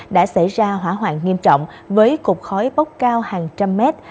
đã xảy ra hỏa hoạn nghiêm trọng với cục khói bốc cao hàng trăm mét